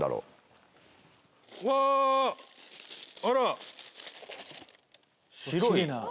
あら！